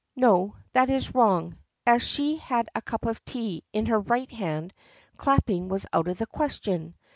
(No, that is wrong. As she had a cup of tea in her right hand, clapping was out of the question.